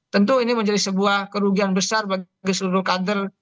tentu ini menjadi sebuah kerugian besar bagi seluruh kader